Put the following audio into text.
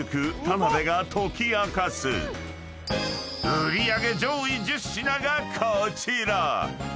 ［売り上げ上位１０品がこちら］